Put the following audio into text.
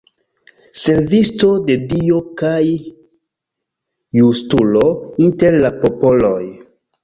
Servisto de Dio kaj justulo inter la popoloj.